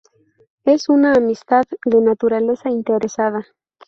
Es una amistad de naturaleza interesada.